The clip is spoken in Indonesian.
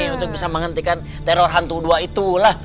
untuk bisa menghentikan teror hantu ii itulah